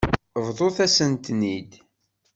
Bḍut-asent-ten-id.